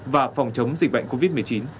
và phòng chống dịch bệnh covid một mươi chín